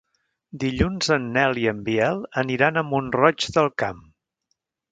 Dilluns en Nel i en Biel aniran a Mont-roig del Camp.